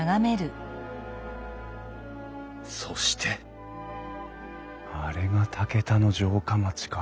そしてあれが竹田の城下町か。